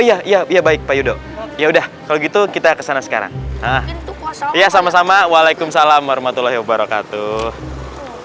iya iya baik pak yudo ya udah kalau gitu kita kesana sekarang ya sama sama waalaikumsalam warahmatullahi wabarakatuh